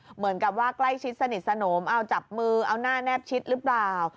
เหมือนกับว่าใกล้ชิดสนิทสนมเอาจับมือเอาหน้าแนบชิดหรือเปล่า